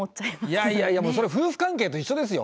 いやいやいやもうそれ夫婦関係と一緒ですよ。